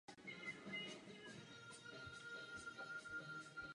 Zákazníkům nabídl unikátní koncept.